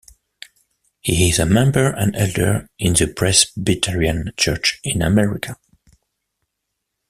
He is a member and elder in the Presbyterian Church in America.